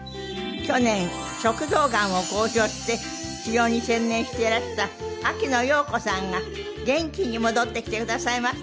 去年食道がんを公表して治療に専念してらした秋野暢子さんが元気に戻ってきてくださいました。